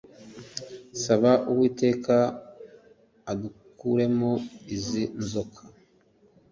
saba uwiteka adukuremo izi nzoka